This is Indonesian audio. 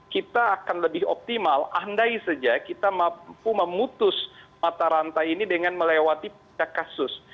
kita akan lebih optimal andai saja kita mampu memutus mata rantai ini dengan melewati puncak kasus